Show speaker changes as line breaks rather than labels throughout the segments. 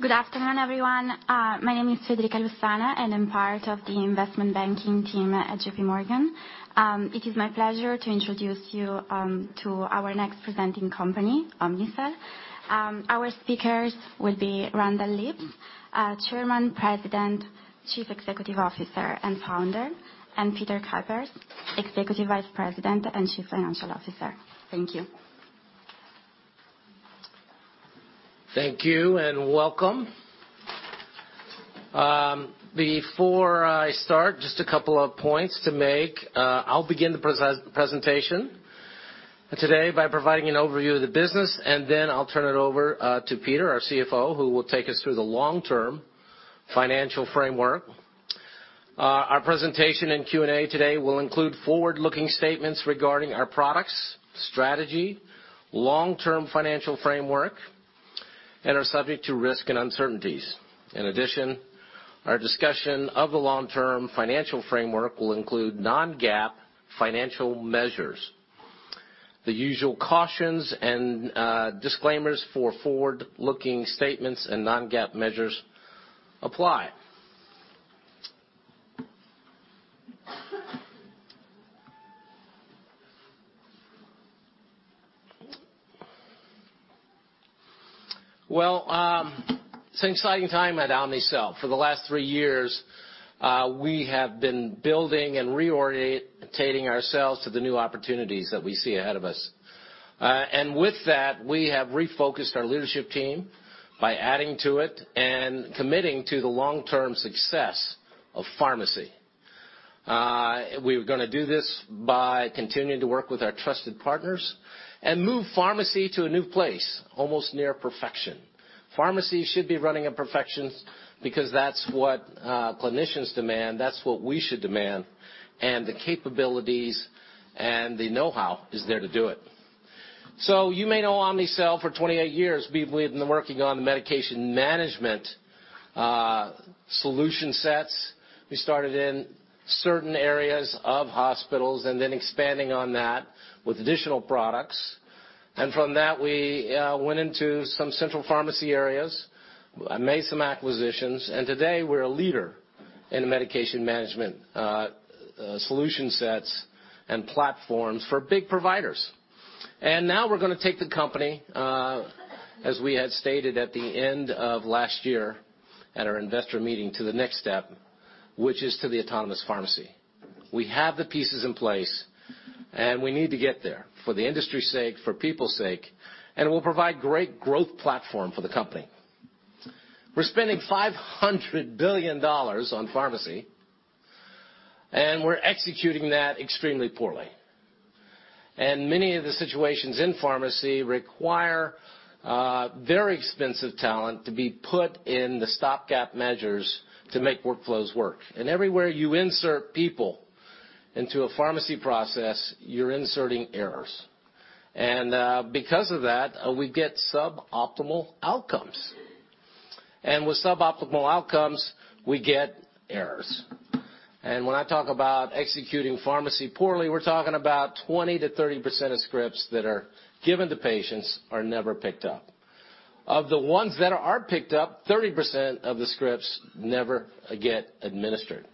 Good afternoon, everyone. My name is Federica Lussana, and I'm part of the Investment Banking team at J.P. Morgan. It is my pleasure to introduce you to our next presenting company, Omnicell. Our speakers will be Randall Lipps, Chairman, President, Chief Executive Officer, and Founder, and Peter Kuypers, Executive Vice President and Chief Financial Officer. Thank you.
Thank you, and welcome. Before I start, just a couple of points to make. I'll begin the presentation today by providing an overview of the business, then I'll turn it over to Peter, our CFO, who will take us through the long-term financial framework. Our presentation and Q&A today will include forward-looking statements regarding our products, strategy, long-term financial framework, and are subject to risk and uncertainties. In addition, our discussion of the long-term financial framework will include non-GAAP financial measures. The usual cautions and disclaimers for forward-looking statements and non-GAAP measures apply. Well, it's an exciting time at Omnicell. For the last three years, we have been building and reorientating ourselves to the new opportunities that we see ahead of us. With that, we have refocused our leadership team by adding to it and committing to the long-term success of pharmacy. We're going to do this by continuing to work with our trusted partners and move pharmacy to a new place, almost near perfection. Pharmacy should be running on perfection because that's what clinicians demand, that's what we should demand, and the capabilities and the know-how is there to do it. You may know Omnicell for 28 years, we've been working on the medication management solution sets. We started in certain areas of hospitals and then expanding on that with additional products. From that, we went into some central pharmacy areas, made some acquisitions, and today we're a leader in medication management solution sets and platforms for big providers. Now we're going to take the company, as we had stated at the end of last year at our investor meeting, to the next step, which is to the Autonomous Pharmacy. We have the pieces in place. We need to get there for the industry's sake, for people's sake, it will provide great growth platform for the company. We're spending $500 billion on pharmacy. We're executing that extremely poorly. Many of the situations in pharmacy require very expensive talent to be put in the stopgap measures to make workflows work. Everywhere you insert people into a pharmacy process, you're inserting errors. Because of that, we get sub-optimal outcomes. With sub-optimal outcomes, we get errors. When I talk about executing pharmacy poorly, we're talking about 20%-30% of scripts that are given to patients are never picked up. Of the ones that are picked up, 30% of the scripts never get administered.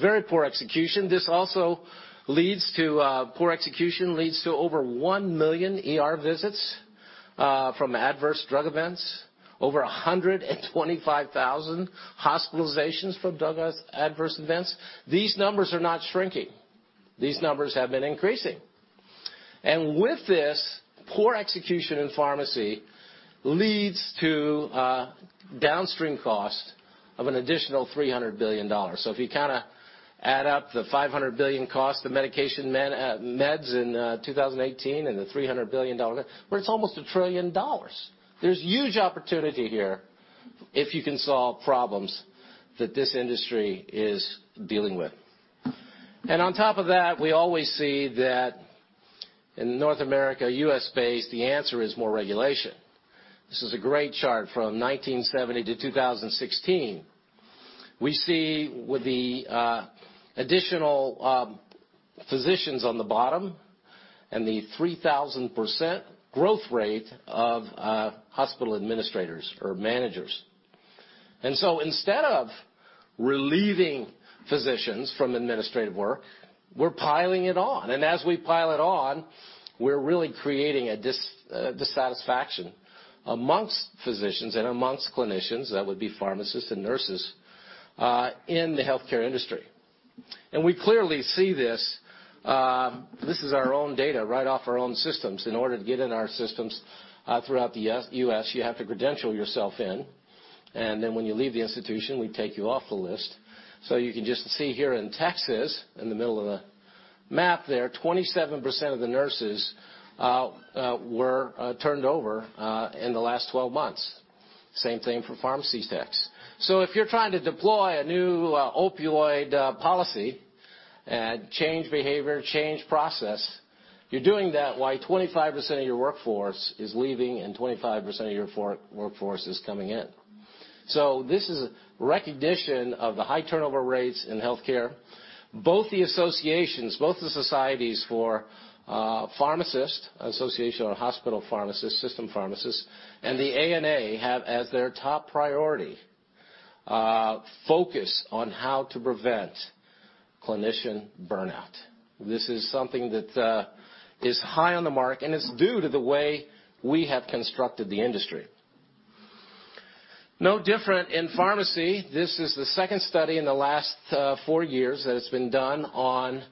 Very poor execution. Poor execution leads to over 1 million ER visits from adverse drug events. Over 125,000 hospitalizations from adverse events. These numbers are not shrinking. These numbers have been increasing. With this, poor execution in pharmacy leads to downstream cost of an additional $300 billion. If you add up the $500 billion cost of medication meds in 2018 and the $300 billion, it's almost a trillion dollars. There's huge opportunity here if you can solve problems that this industry is dealing with. On top of that, we always see that in North America, U.S.-based, the answer is more regulation. This is a great chart from 1970 to 2016. We see with the additional physicians on the bottom and the 3,000% growth rate of hospital administrators or managers. Instead of relieving physicians from administrative work, we're piling it on. As we pile it on, we're really creating a dissatisfaction amongst physicians and amongst clinicians, that would be pharmacists and nurses, in the healthcare industry. We clearly see this. This is our own data right off our own systems. In order to get in our systems throughout the U.S., you have to credential yourself in. When you leave the institution, we take you off the list. You can just see here in Texas, in the middle of the map there, 27% of the nurses were turned over in the last 12 months. Same thing for pharmacy techs. If you're trying to deploy a new opioid policy and change behavior, change process, you're doing that while 25% of your workforce is leaving and 25% of your workforce is coming in. This is a recognition of the high turnover rates in healthcare. Both the associations, both the societies for pharmacists, Association of Hospital Pharmacists, Health-System Pharmacists, and the ANA have as their top priority, focus on how to prevent clinician burnout. This is something that is high on the mark, and it's due to the way we have constructed the industry. No different in pharmacy. This is the second study in the last four years that has been done on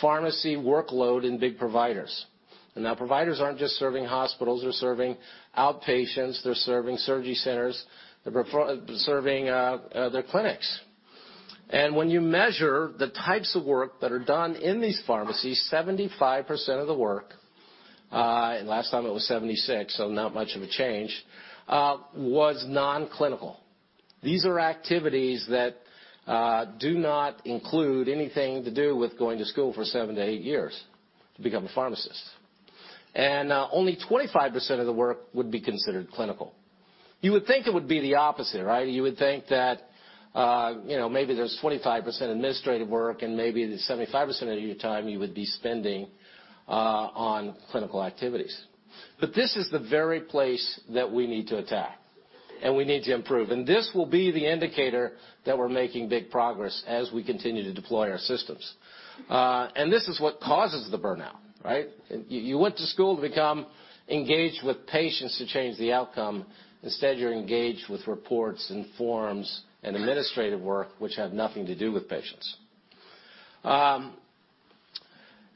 pharmacy workload in big providers. Now providers aren't just serving hospitals, they're serving outpatients, they're serving surgery centers, they're serving their clinics. When you measure the types of work that are done in these pharmacies, 75% of the work, and last time it was 76, so not much of a change, was non-clinical. These are activities that do not include anything to do with going to school for seven to eight years to become a pharmacist. Only 25% of the work would be considered clinical. You would think it would be the opposite, right? You would think that maybe there's 25% administrative work and maybe 75% of your time you would be spending on clinical activities. This is the very place that we need to attack, and we need to improve. This will be the indicator that we're making big progress as we continue to deploy our systems. This is what causes the burnout, right? You went to school to become engaged with patients to change the outcome. Instead, you're engaged with reports and forms and administrative work, which have nothing to do with patients.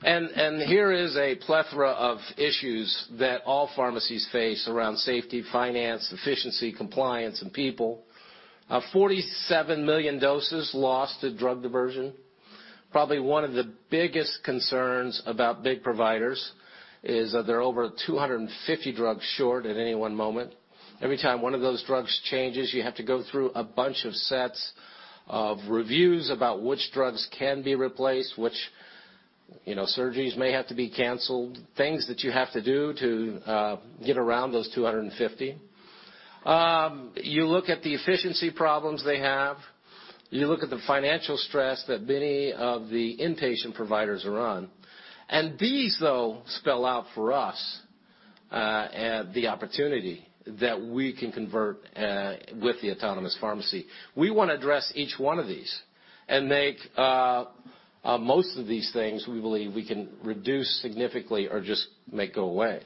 Here is a plethora of issues that all pharmacies face around safety, finance, efficiency, compliance, and people. 47 million doses lost to drug diversion. Probably one of the biggest concerns about big providers is that they're over 250 drugs short at any one moment. Every time one of those drugs changes, you have to go through a bunch of sets of reviews about which drugs can be replaced, which surgeries may have to be canceled, things that you have to do to get around those 250. You look at the efficiency problems they have. You look at the financial stress that many of the inpatient providers are on. These, though, spell out for us the opportunity that we can convert with the Autonomous Pharmacy. We want to address each one of these and make most of these things we believe we can reduce significantly or just make go away.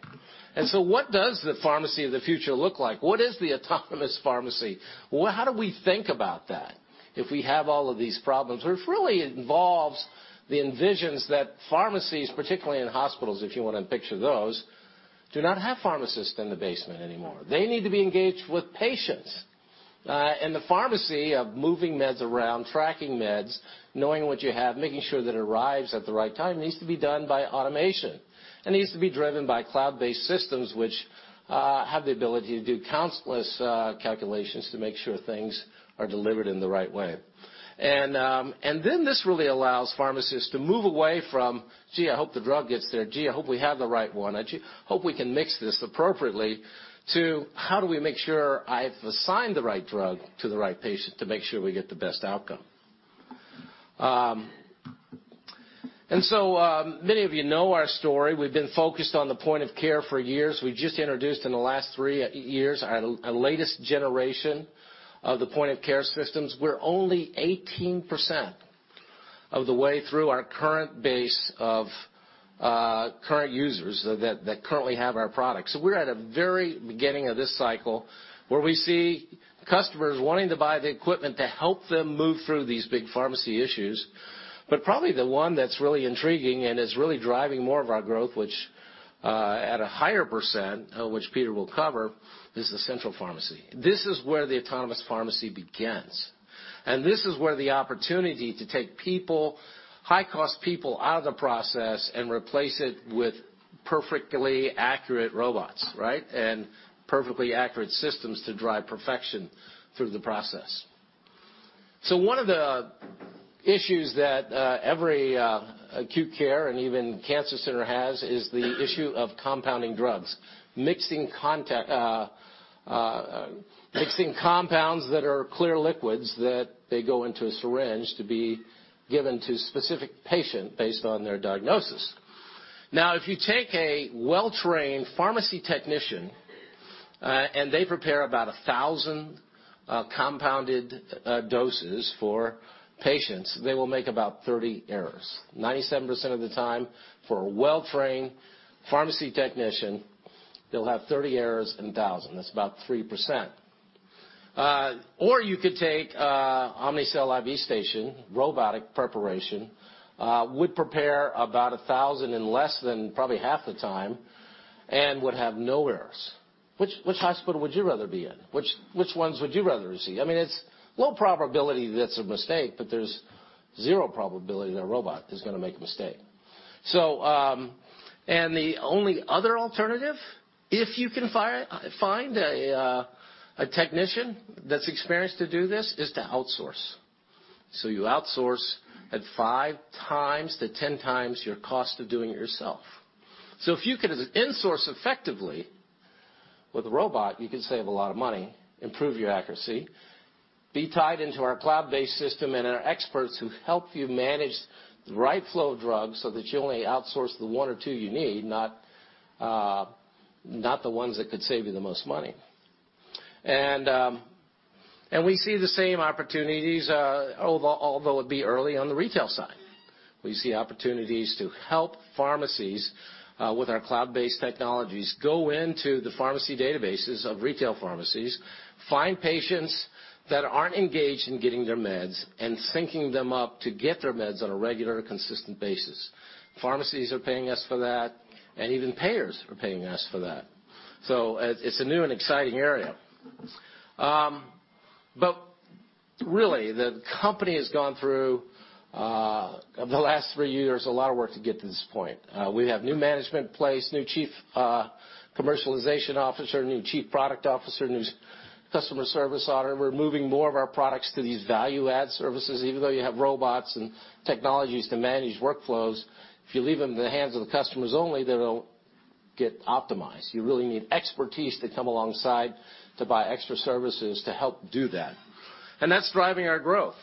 What does the pharmacy of the future look like? What is the Autonomous Pharmacy? How do we think about that if we have all of these problems? It really involves the vision that pharmacies, particularly in hospitals, if you want to picture those, do not have pharmacists in the basement anymore. They need to be engaged with patients. The pharmacy of moving meds around, tracking meds, knowing what you have, making sure that it arrives at the right time, needs to be done by automation and needs to be driven by cloud-based systems which have the ability to do countless calculations to make sure things are delivered in the right way. This really allows pharmacists to move away from, "Gee, I hope the drug gets there. Gee, I hope we have the right one. I hope we can mix this appropriately," to, "How do we make sure I've assigned the right drug to the right patient to make sure we get the best outcome?" Many of you know our story. We've been focused on the point of care for years. We just introduced in the last three years our latest generation of the point-of-care systems. We're only 18% of the way through our current base of current users that currently have our product. We're at a very beginning of this cycle where we see customers wanting to buy the equipment to help them move through these big pharmacy issues. Probably the one that's really intriguing and is really driving more of our growth, which at a higher %, which Peter will cover, is the central pharmacy. This is where the Autonomous Pharmacy begins. This is where the opportunity to take high-cost people out of the process and replace it with perfectly accurate robots, right? Perfectly accurate systems to drive perfection through the process. One of the issues that every acute care and even cancer center has is the issue of compounding drugs. Mixing compounds that are clear liquids, that they go into a syringe to be given to a specific patient based on their diagnosis. If you take a well-trained pharmacy technician and they prepare about 1,000 compounded doses for patients, they will make about 30 errors. 97% of the time for a well-trained pharmacy technician, you'll have 30 errors in 1,000. That's about 3%. You could take Omnicell i.v.STATION, robotic preparation, would prepare about 1,000 in less than probably half the time and would have no errors. Which hospital would you rather be in? Which ones would you rather see? It's low probability that's a mistake, but there's zero probability that a robot is going to make a mistake. The only other alternative, if you can find a technician that's experienced to do this, is to outsource. You outsource at 5 times to 10 times your cost of doing it yourself. If you could insource effectively with a robot, you could save a lot of money, improve your accuracy, be tied into our cloud-based system, and our experts who help you manage the right flow of drugs so that you only outsource the 1 or 2 you need, not the ones that could save you the most money. We see the same opportunities, although it'd be early on the retail side. We see opportunities to help pharmacies with our cloud-based technologies, go into the pharmacy databases of retail pharmacies, find patients that aren't engaged in getting their meds, and syncing them up to get their meds on a regular, consistent basis. Pharmacies are paying us for that, and even payers are paying us for that. It's a new and exciting area. Really, the company has gone through, the last three years, a lot of work to get to this point. We have new management in place, new Chief Commercialization Officer, new Chief Product Officer, new Customer Service Officer. We're moving more of our products to these value-add services. Even though you have robots and technologies to manage workflows, if you leave them in the hands of the customers only, they don't get optimized. You really need expertise to come alongside to buy extra services to help do that. That's driving our growth.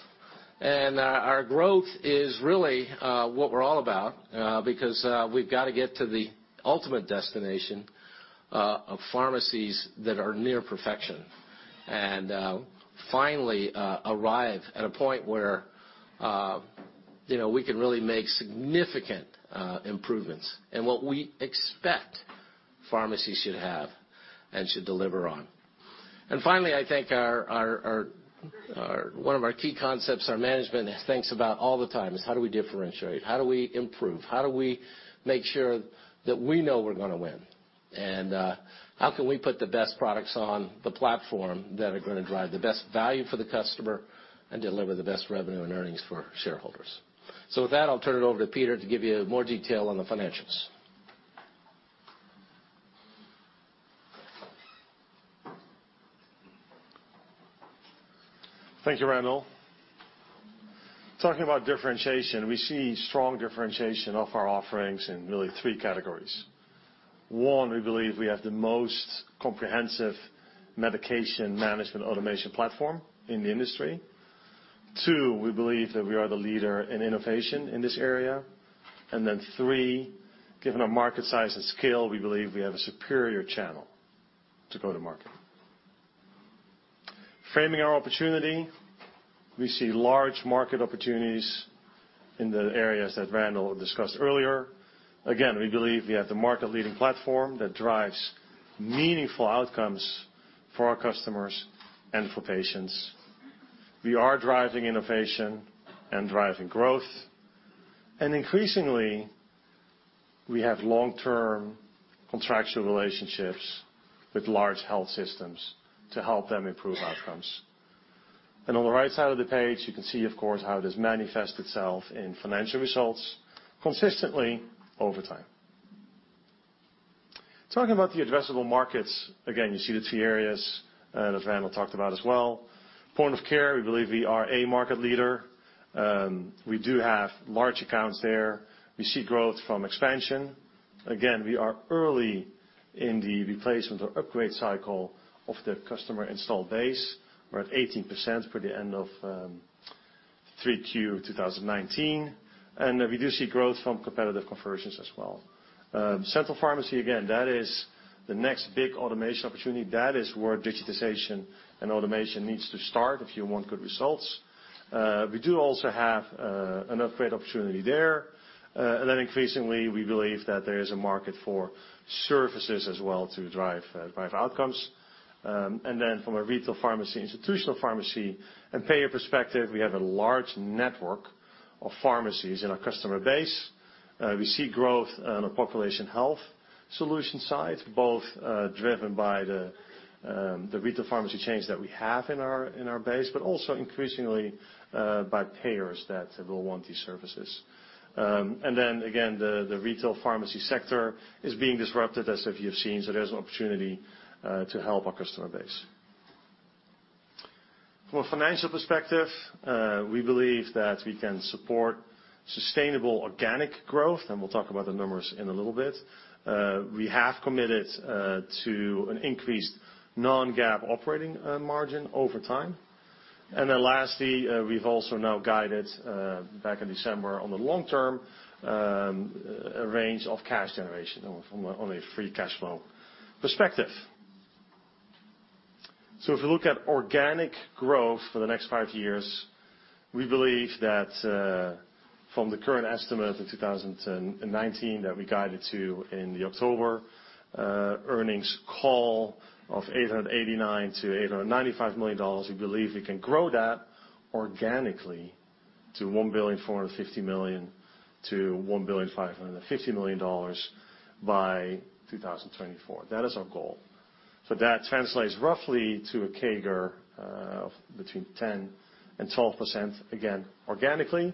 Our growth is really what we're all about, because we've got to get to the ultimate destination of pharmacies that are near perfection. Finally, arrive at a point where we can really make significant improvements in what we expect pharmacies should have and should deliver on. Finally, I think one of our key concepts our management thinks about all the time is how do we differentiate? How do we improve? How do we make sure that we know we're going to win? How can we put the best products on the platform that are going to drive the best value for the customer and deliver the best revenue and earnings for shareholders? With that, I'll turn it over to Peter to give you more detail on the financials.
Thank you, Randall. Talking about differentiation, we see strong differentiation of our offerings in really three categories. One, we believe we have the most comprehensive medication management automation platform in the industry. Two, we believe that we are the leader in innovation in this area. Then three, given our market size and scale, we believe we have a superior channel to go to market. Framing our opportunity, we see large market opportunities in the areas that Randall discussed earlier. Again, we believe we have the market-leading platform that drives meaningful outcomes for our customers and for patients. We are driving innovation and driving growth. Increasingly, we have long-term contractual relationships with large health systems to help them improve outcomes. On the right side of the page, you can see, of course, how it has manifested itself in financial results consistently over time. Talking about the addressable markets, you see the three areas that Randall talked about as well. Point of care, we believe we are a market leader. We do have large accounts there. We see growth from expansion. We are early in the replacement or upgrade cycle of the customer install base. We're at 18% for the end of 3Q 2019. We do see growth from competitive conversions as well. Central pharmacy, that is the next big automation opportunity. That is where digitization and automation needs to start if you want good results. We do also have an upgrade opportunity there. Increasingly, we believe that there is a market for services as well to drive outcomes. From a retail pharmacy, institutional pharmacy, and payer perspective, we have a large network of pharmacies in our customer base. We see growth on our population health solution side, both driven by the retail pharmacy chains that we have in our base, but also increasingly by payers that will want these services. Again, the retail pharmacy sector is being disrupted, as you have seen, there is an opportunity to help our customer base. From a financial perspective, we believe that we can support sustainable organic growth, we'll talk about the numbers in a little bit. We have committed to an increased non-GAAP operating margin over time. Lastly, we've also now guided, back in December, on the long-term range of cash generation from only free cash flow perspective. If you look at organic growth for the next five years, we believe that from the current estimate of 2019 that we guided to in the October earnings call of $889 million-$895 million, we believe we can grow that organically to $1,450 million-$1,550 million by 2024. That is our goal. That translates roughly to a CAGR of between 10% and 12%, again, organically.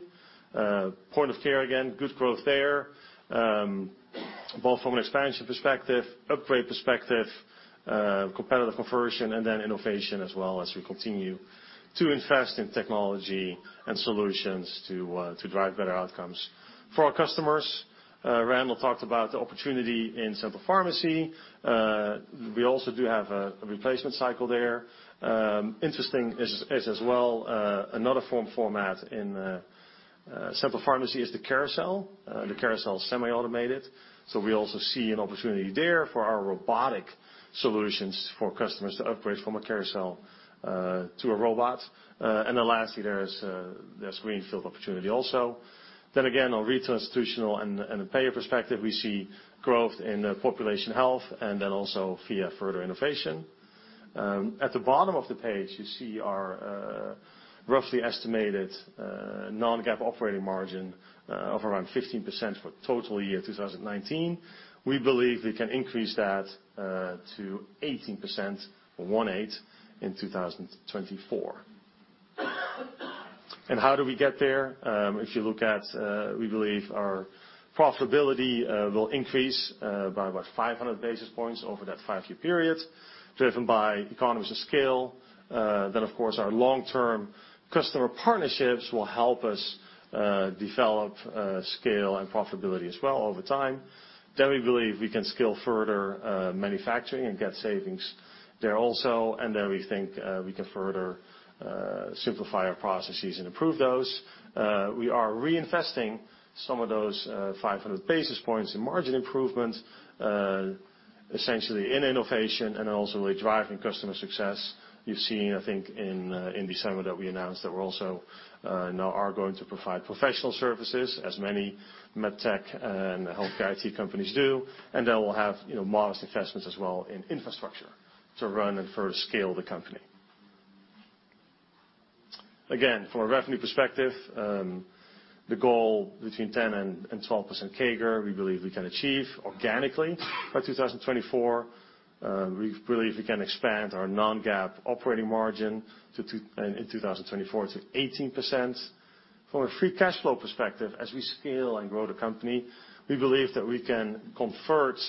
Point of care, again, good growth there. Both from an expansion perspective, upgrade perspective, competitive conversion, and then innovation as well as we continue to invest in technology and solutions to drive better outcomes for our customers. Randall talked about the opportunity in central pharmacy. We also do have a replacement cycle there. Interesting is as well, another form format in central pharmacy is the carousel. The Pharmacy Carousel is semi-automated, so we also see an opportunity there for our robotic solutions for customers to upgrade from a Pharmacy Carousel to an XR2. Lastly, there's greenfield opportunity also. On retail, institutional, and a payer perspective, we see growth in population health and then also via further innovation. At the bottom of the page, you see our roughly estimated non-GAAP operating margin of around 15% for total year 2019. We believe we can increase that to 18%, 1-8, in 2024. How do we get there? We believe our profitability will increase by about 500 basis points over that five-year period, driven by economies of scale. Of course, our long-term customer partnerships will help us develop scale and profitability as well over time. We believe we can scale further manufacturing and get savings there also. We think we can further simplify our processes and improve those. We are reinvesting some of those 500 basis points in margin improvements, essentially in innovation and also with driving customer success. You've seen, I think, in December that we announced that we also now are going to provide professional services as many MedTech and healthcare IT companies do. We'll have modest investments as well in infrastructure to run and further scale the company. From a revenue perspective, the goal between 10% and 12% CAGR, we believe we can achieve organically by 2024. We believe we can expand our non-GAAP operating margin in 2024 to 18%. From a free cash flow perspective, as we scale and grow the company, we believe that we can convert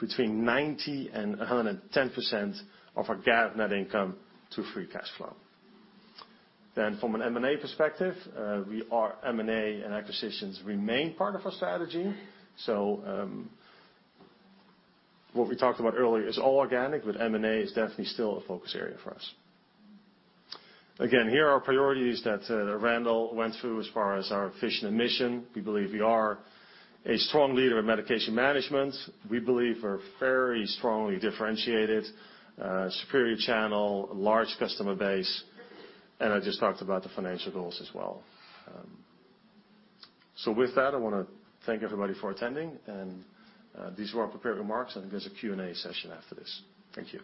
between 90% and 110% of our GAAP net income to free cash flow. From an M&A perspective, M&A and acquisitions remain part of our strategy. What we talked about earlier is all organic, but M&A is definitely still a focus area for us. Again, here are our priorities that Randall went through as far as our vision and mission. We believe we are a strong leader in medication management. We believe we're very strongly differentiated, superior channel, large customer base, and I just talked about the financial goals as well. With that, I want to thank everybody for attending, and these were our prepared remarks. I think there's a Q&A session after this. Thank you.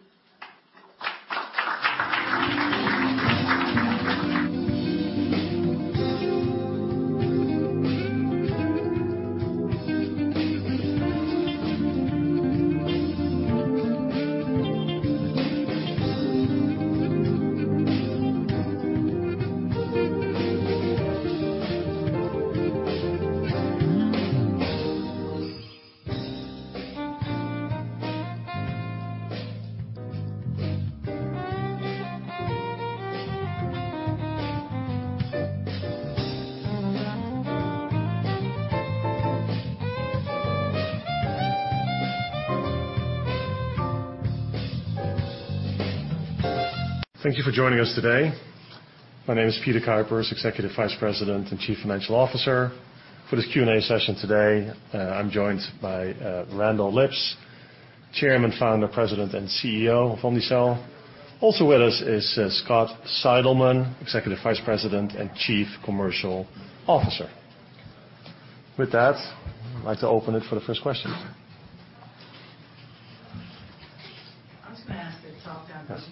Thank you for joining us today. My name is Peter Kuypers, Executive Vice President and Chief Financial Officer. For this Q&A session today, I'm joined by Randall Lipps, Chairman, Founder, President, and CEO of Omnicell. Also with us is Scott Seidelman, Executive Vice President and Chief Commercial Officer. With that, I'd like to open it for the first questions.
I'm just going to ask the top-down question.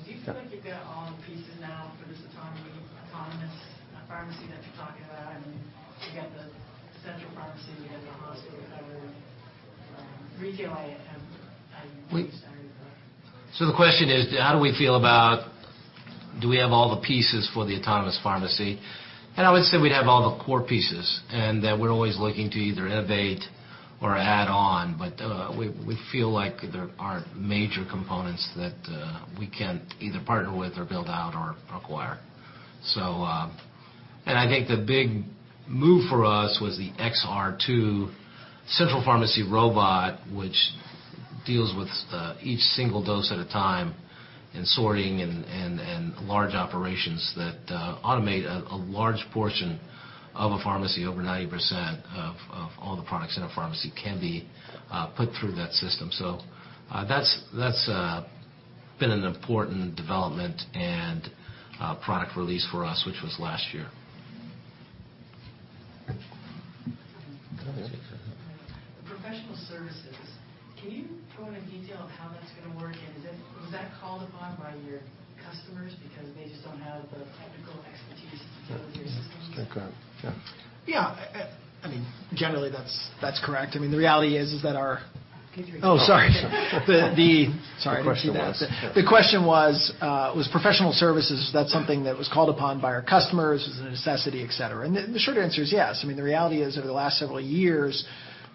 Yeah.
Do you feel like you've got all the pieces now for this Autonomous Pharmacy that you're talking about? I mean, you got the central pharmacy, you got the hospital cover. Retail, how do you see the?
The question is, how do we feel about, do we have all the pieces for the Autonomous Pharmacy? I would say we have all the core pieces and that we're always looking to either innovate or add on. We feel like there aren't major components that we can't either partner with or build out or acquire. I think the big move for us was the XR2 Central Pharmacy Robot, which deals with each single dose at a time and sorting and large operations that automate a large portion of a pharmacy. Over 90% of all the products in a pharmacy can be put through that system. That's been an important development and product release for us, which was last year.
Go ahead.
The professional services. Can you go into detail on how that's going to work? Was that called upon by your customers because they just don't have the technical expertise to deal with your systems?
Okay, got it. Yeah.
Generally, that's correct. The reality is that.
Can you repeat the question?
Oh, sorry. Sorry, I didn't see that.
The question was.
The question was, professional services, that's something that was called upon by our customers as a necessity, et cetera. The short answer is yes. The reality is, over the last several years,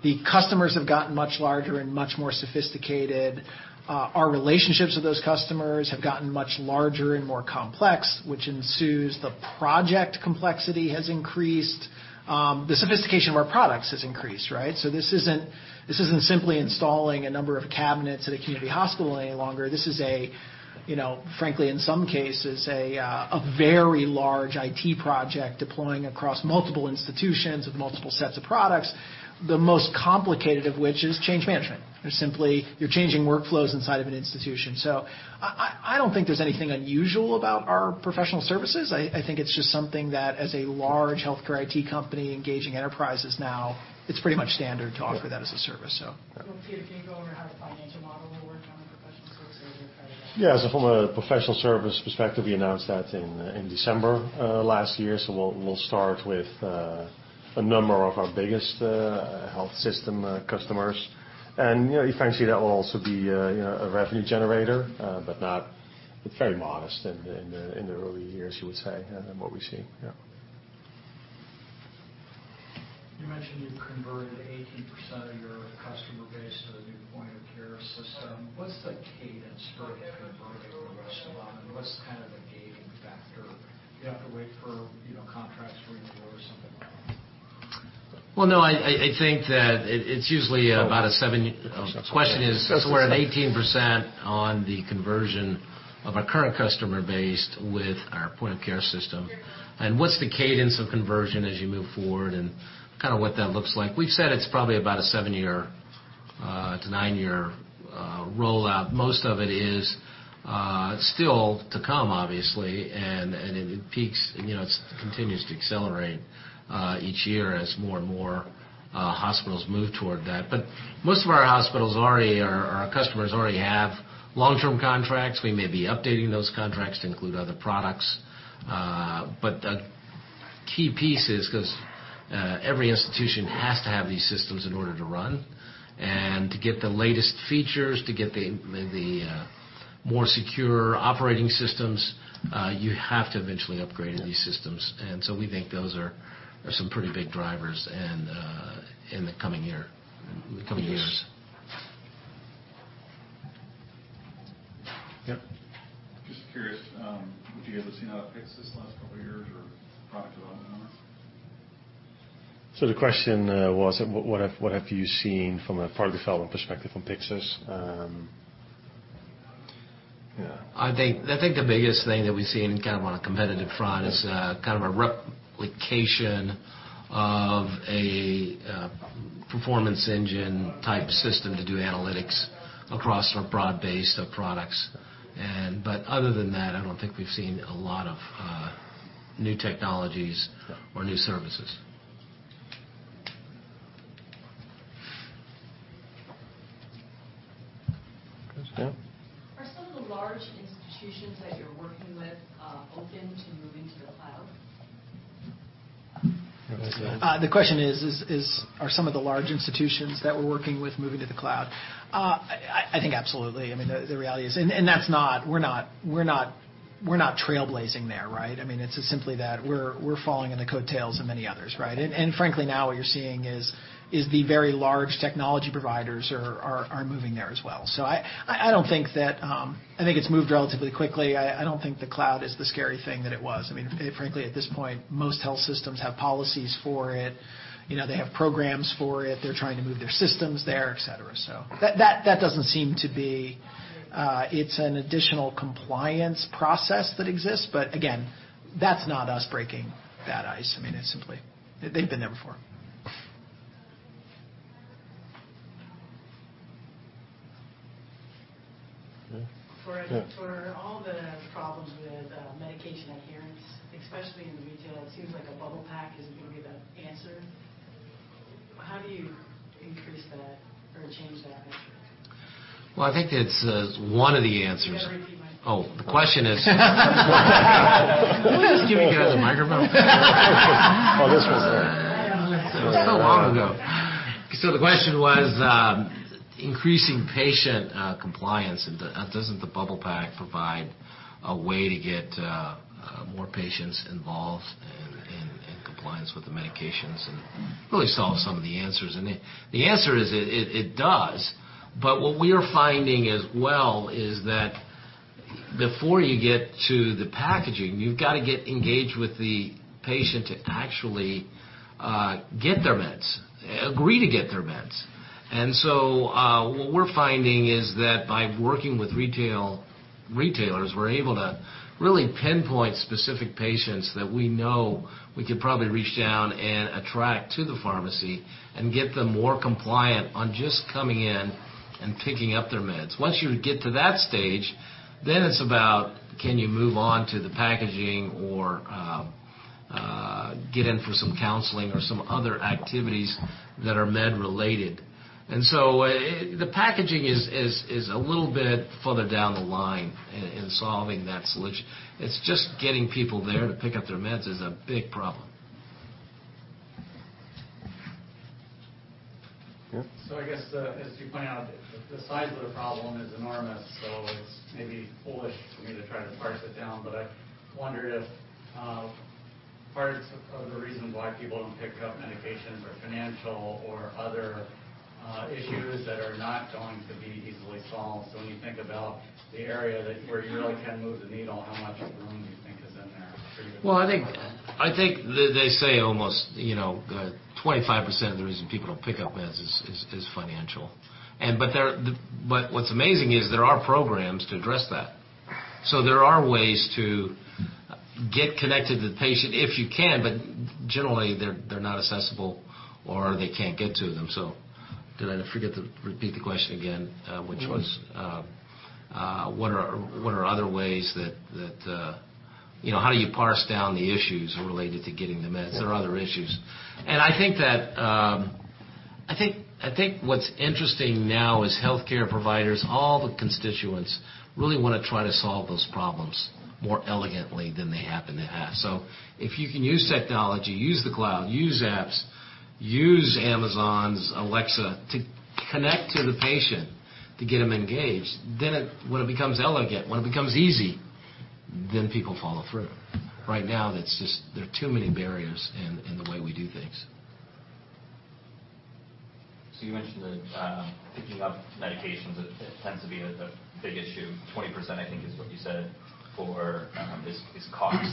the customers have gotten much larger and much more sophisticated. Our relationships with those customers have gotten much larger and more complex, which ensues the project complexity has increased. The sophistication of our products has increased, right? This isn't simply installing a number of cabinets at a community hospital any longer. This is a, frankly, in some cases, a very large IT project deploying across multiple institutions with multiple sets of products. The most complicated of which is change management, where simply you're changing workflows inside of an institution. I don't think there's anything unusual about our professional services. I think it's just something that, as a large healthcare IT company engaging enterprises now, it's pretty much standard to offer that as a service.
Well, Peter, can you go over how the financial model will work on the professional services credit?
Yes, from a professional service perspective, we announced that in December last year. We'll start with a number of our biggest health system customers, and eventually, that will also be a revenue generator. Very modest in the early years, you would say, and what we see. Yeah.
You mentioned you've converted 18% of your customer base to the new point-of-care system. What's the cadence for converting the rest of them, and what's the gating factor? Do you have to wait for contracts to renew or something like that?
Well, no, I think that it's usually about a seven.
Oh, sorry.
The question is, we're at 18% on the conversion of our current customer base with our point-of-care system. What's the cadence of conversion as you move forward and what that looks like? We've said it's probably about a 7-year to 9-year rollout. Most of it is still to come, obviously, and it peaks and continues to accelerate each year as more and more hospitals move toward that. Most of our hospitals, our customers already have long-term contracts. We may be updating those contracts to include other products. The key piece is because every institution has to have these systems in order to run, and to get the latest features, to get the more secure operating systems, you have to eventually upgrade these systems. We think those are some pretty big drivers in the coming years.
Yep.
Just curious, have you ever seen how it fits this last couple of years or product development hours?
The question was, what have you seen from a product development perspective from Pyxis? Yeah.
I think the biggest thing that we've seen on a competitive front is a replication of a performance engine type system to do analytics across our broad base of products. Other than that, I don't think we've seen a lot of new technologies or new services.
Yeah.
Are some of the large institutions that you're working with open to moving to the cloud?
What was that?
The question is, are some of the large institutions that we're working with moving to the cloud? I think absolutely. The reality is, we're not trailblazing there, right? It's simply that we're following in the coattails of many others, right? Frankly, now what you're seeing is the very large technology providers are moving there as well. I think it's moved relatively quickly. I don't think the cloud is the scary thing that it was. Frankly, at this point, most health systems have policies for it. They have programs for it. They're trying to move their systems there, et cetera. It's an additional compliance process that exists, but again, that's not us breaking that ice. It's simply, they've been there before.
Yeah.
For all the problems with medication adherence, especially in retail, it seems like a blister pack is going to be the answer. How do you increase that or change that metric?
Well, I think it's one of the answers. Oh, the question is.
Can we ask you to get us a microphone? Oh, this one's there.
It was so long ago. The question was increasing patient compliance, and doesn't the blister pack provide a way to get more patients involved and in compliance with the medications and really solve some of the answers? The answer is, it does. What we are finding as well is that before you get to the packaging, you've got to get engaged with the patient to actually get their meds, agree to get their meds. What we're finding is that by working with retailers, we're able to really pinpoint specific patients that we know we could probably reach down and attract to the pharmacy and get them more compliant on just coming in and picking up their meds. Once you get to that stage, then it's about, can you move on to the packaging or get in for some counseling or some other activities that are med related? The packaging is a little bit further down the line in solving that solution. It's just getting people there to pick up their meds is a big problem.
Yeah.
I guess, as you point out, the size of the problem is enormous, so it's maybe foolish for me to try to parse it down. I wondered if parts of the reason why people don't pick up medications are financial or other issues that are not going to be easily solved. When you think about the area that where you really can move the needle, how much room do you think is in there for you?
I think they say almost 25% of the reason people don't pick up meds is financial. What's amazing is there are programs to address that. There are ways to get connected to the patient if you can, but generally they're not accessible, or they can't get to them. Did I forget to repeat the question again? How do you parse down the issues related to getting the meds? There are other issues. I think what's interesting now is healthcare providers, all the constituents really want to try to solve those problems more elegantly than they happen to have. If you can use technology, use the cloud, use apps, use Amazon's Alexa to connect to the patient, to get them engaged, then when it becomes elegant, when it becomes easy, then people follow through. Right now, there are too many barriers in the way we do things.
You mentioned that picking up medications, it tends to be a big issue. 20% I think is what you said, is cost.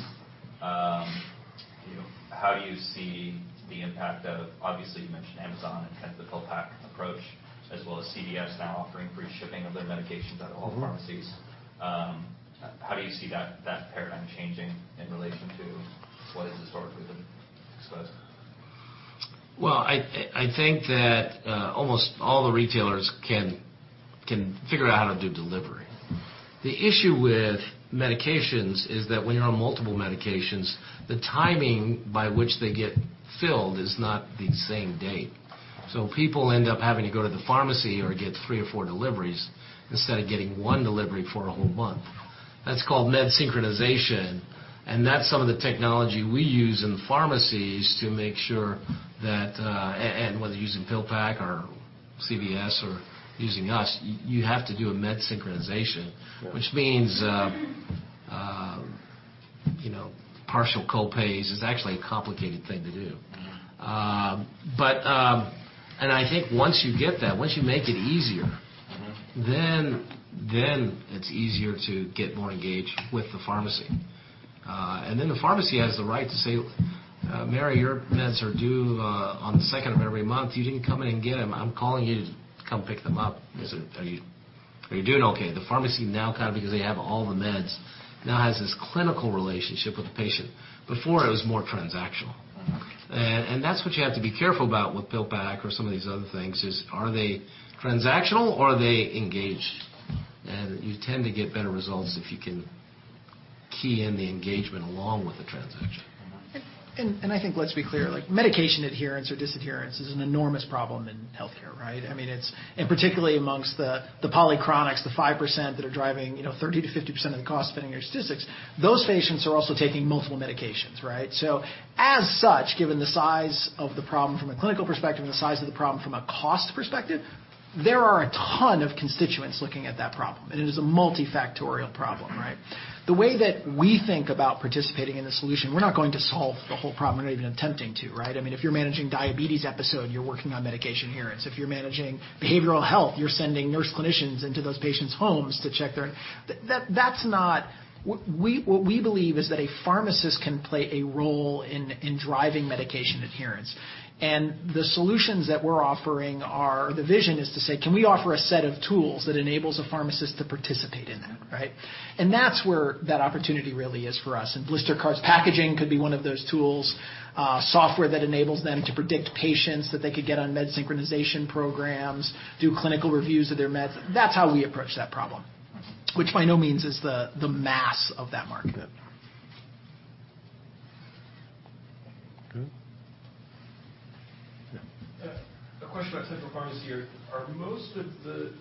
How do you see the impact of, obviously, you mentioned Amazon in terms of the PillPack approach, as well as CVS now offering free shipping of their medications at all pharmacies? How do you see that paradigm changing in relation to what has historically been exposed?
Well, I think that almost all the retailers can figure out how to do delivery. The issue with medications is that when you're on multiple medications, the timing by which they get filled is not the same date. People end up having to go to the pharmacy or get three or four deliveries instead of getting one delivery for a whole month. That's called medication synchronization, and that's some of the technology we use in pharmacies to make sure that, and whether using PillPack or CVS or using us, you have to do a medication synchronization.
Right.
Which means, partial co-pays. It's actually a complicated thing to do. I think once you get that, once you make it easier. It's easier to get more engaged with the pharmacy. The pharmacy has the right to say, "Mary, your meds are due on the second of every month. You didn't come in and get them. I'm calling you to come pick them up. Are you doing okay?" The pharmacy now, because they have all the meds, now has this clinical relationship with the patient. Before it was more transactional. That's what you have to be careful about with PillPack or some of these other things is, are they transactional or are they engaged? You tend to get better results if you can key in the engagement along with the transaction.
I think let's be clear, medication adherence or dis-adherence is an enormous problem in healthcare, right? Particularly amongst the polychronics, the 5% that are driving 30%-50% of the cost, depending on your statistics, those patients are also taking multiple medications, right? As such, given the size of the problem from a clinical perspective and the size of the problem from a cost perspective, there are a ton of constituents looking at that problem, and it is a multifactorial problem, right? The way that we think about participating in the solution, we're not going to solve the whole problem. We're not even attempting to, right? If you're managing diabetes episode, you're working on medication adherence. If you're managing behavioral health, you're sending nurse clinicians into those patients' homes. What we believe is that a pharmacist can play a role in driving medication adherence. The solutions that we're offering are, the vision is to say, "Can we offer a set of tools that enables a pharmacist to participate in that?" right? That's where that opportunity really is for us, and blister cards packaging could be one of those tools, software that enables them to predict patients that they could get on medication synchronization programs, do clinical reviews of their meds. That's how we approach that problem, which by no means is the mass of that market.
Good. Yeah.
A question about central pharmacy. Are most of the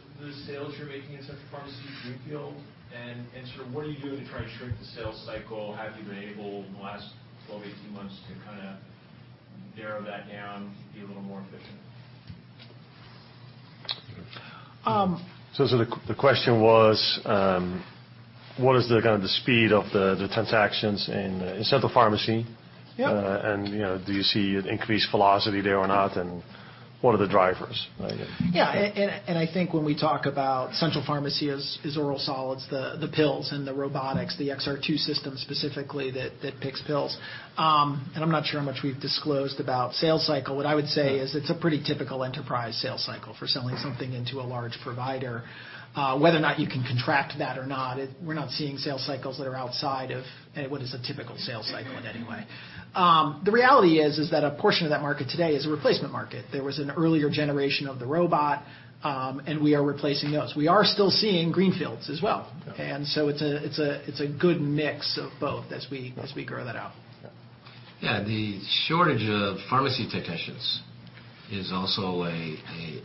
sales you're making in central pharmacy greenfield, and sort of what are you doing to try to shrink the sales cycle? Have you been able, in the last 12 to 18 months to kind of narrow that down to be a little more efficient?
The question was, what is the kind of the speed of the transactions in central pharmacy.
Yeah
Do you see an increased velocity there or not, and what are the drivers?
Yeah. I think when we talk about central pharmacy as oral solids, the pills and the robotics, the XR2 system specifically that picks pills. I'm not sure how much we've disclosed about sales cycle. What I would say is it's a pretty typical enterprise sales cycle for selling something into a large provider. Whether or not you can contract that or not, we're not seeing sales cycles that are outside of what is a typical sales cycle in any way. The reality is that a portion of that market today is a replacement market. There was an earlier generation of the robot. We are replacing those. We are still seeing greenfields as well.
Okay.
It's a good mix of both as we grow that out.
Yeah. The shortage of pharmacy technicians is also an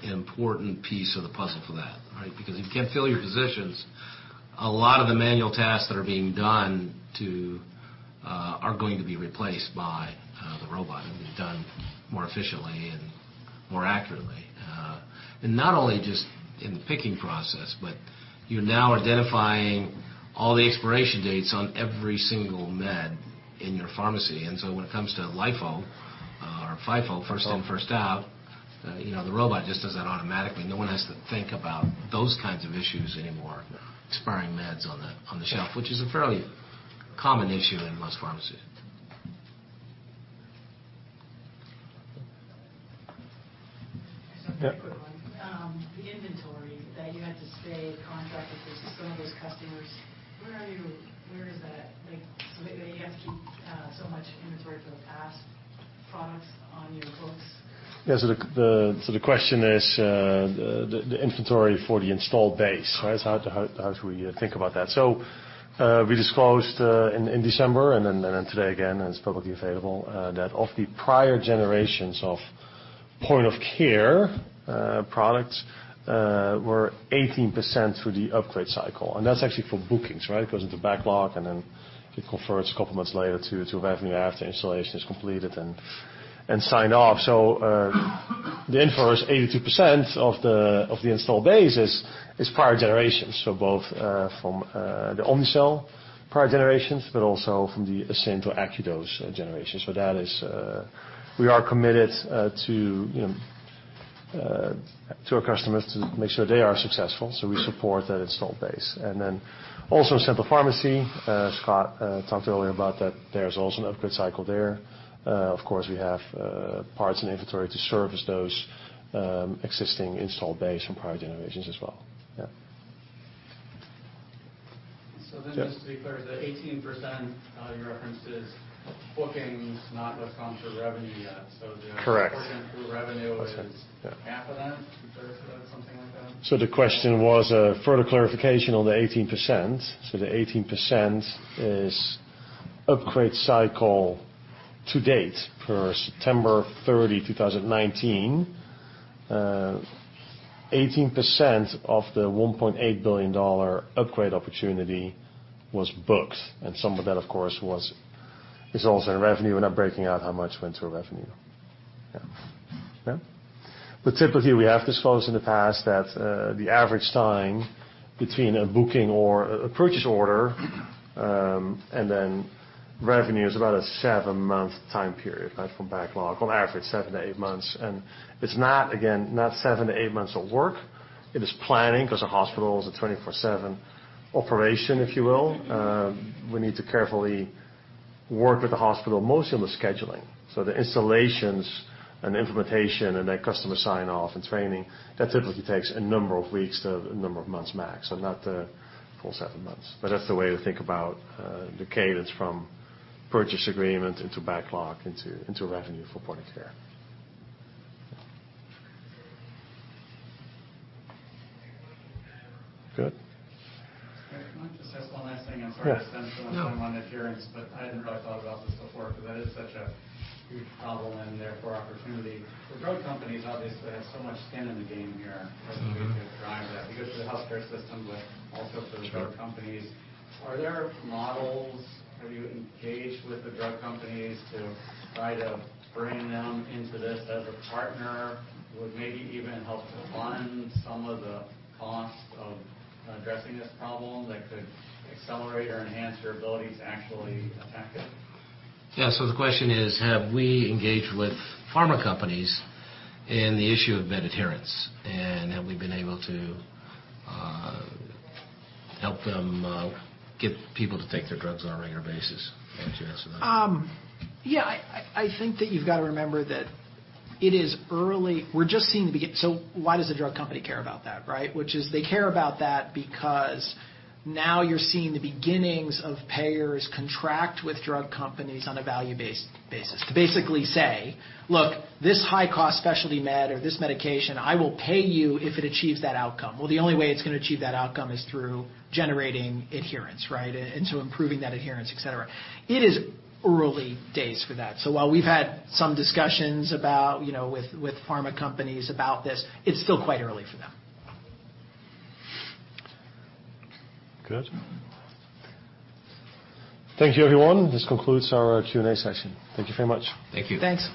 important piece of the puzzle for that. If you can't fill your positions, a lot of the manual tasks that are being done are going to be replaced by the robot, and be done more efficiently and more accurately. Not only just in the picking process, but you're now identifying all the expiration dates on every single med in your pharmacy. When it comes to LIFO or FIFO, first in, first out, the robot just does that automatically. No one has to think about those kinds of issues anymore.
Yeah.
Expiring meds on the shelf, which is a fairly common issue in most pharmacies.
Yeah.
Just a quick one. The inventory that you had to stay contracted with some of those customers, where is that? That you have to keep so much inventory for the past products on your books?
The question is, the inventory for the installed base. How should we think about that? We disclosed in December and then today again, it's publicly available, that of the prior generations of point-of-care products were 18% through the upgrade cycle, and that's actually for bookings. It goes into backlog and then it converts a couple months later to revenue after installation is completed and signed off. The inference, 82% of the installed base is prior generations. Both from the Omnicell prior generations, but also from the Aesynt to AcuDose-Rx generations. We are committed to our customers to make sure they are successful, so we support that installed base. Also Central Pharmacy, Scott talked earlier about that there's also an upgrade cycle there. Of course, we have parts and inventory to service those existing installed base from prior generations as well.
Just to be clear, the 18% you referenced is bookings, not what's gone through revenue yet.
Correct.
The portion through revenue is.
Yes.
half of that, two-thirds of that, something like that?
The question was a further clarification on the 18%. The 18% is upgrade cycle to date for September 30, 2019. 18% of the $1.8 billion upgrade opportunity was booked, and some of that, of course, is also in revenue. We're not breaking out how much went through revenue. Yeah. Typically, we have disclosed in the past that the average time between a booking or a purchase order, and then revenue, is about a seven-month time period from backlog. On average 7-8 months. It's not, again, 7-8 months of work. It is planning, because a hospital is a 24/7 operation, if you will. We need to carefully work with the hospital, mostly on the scheduling. The installations and implementation and then customer sign-off and training, that typically takes a number of weeks to a number of months max, so not the full seven months. That's the way to think about the cadence from purchase agreement into backlog, into revenue for point of care. Good.
Can I just ask one last thing? I'm sorry to spend so much time on adherence, but I hadn't really thought about this before, because that is such a huge problem and therefore opportunity. The drug companies obviously have so much skin in the game here. As we drive that for the healthcare system, but also for the drug companies. Are there models? Have you engaged with the drug companies to try to bring them into this as a partner who would maybe even help to fund some of the cost of addressing this problem, that could accelerate or enhance your ability to actually attack it?
Yeah. The question is, have we engaged with pharma companies in the issue of med adherence, and have we been able to help them get people to take their drugs on a regular basis? Do you want to answer that?
Yeah. I think that you've got to remember that it is early. Why does a drug company care about that? Which is they care about that because now you're seeing the beginnings of payers contract with drug companies on a value-based basis to basically say, "Look, this high-cost specialty med or this medication, I will pay you if it achieves that outcome." Well, the only way it's going to achieve that outcome is through generating adherence, and so improving that adherence, et cetera. It is early days for that. While we've had some discussions with pharma companies about this, it's still quite early for them.
Good. Thank you, everyone. This concludes our Q&A session. Thank you very much.
Thank you.
Thanks.